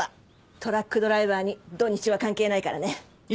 トラックドライバーに土日は関係ないからね。